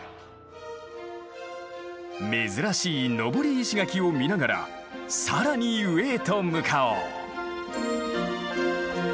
珍しい登り石垣を見ながら更に上へと向かおう。